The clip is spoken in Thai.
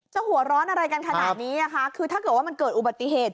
หัวร้อนอะไรกันขนาดนี้คือถ้าเกิดว่ามันเกิดอุบัติเหตุ